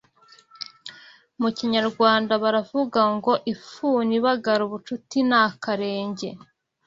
Mu Kinyarwanda baravuga ngo Ifuni ibagara ubucuti ni akarenge